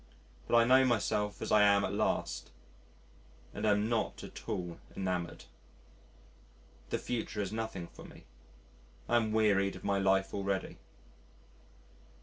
But I know myself as I am at last and am not at all enamoured. The future has nothing for me. I am wearied of my life already.